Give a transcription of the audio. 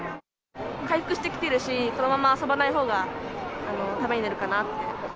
回復してきてるし、このまま遊ばないほうが、ためになるかなって。